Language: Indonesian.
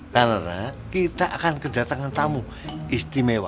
karena kita akan kejatengan tamu istimewa